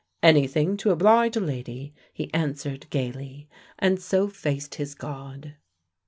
"Anything to oblige a lady," he answered gaily, and so faced his God.